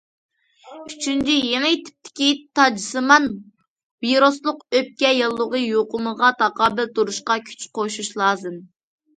ئۈچىنچى، يېڭى تىپتىكى تاجسىمان ۋىرۇسلۇق ئۆپكە ياللۇغى يۇقۇمىغا تاقابىل تۇرۇشقا كۈچ قوشۇش لازىم.